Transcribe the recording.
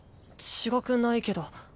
違くないけど。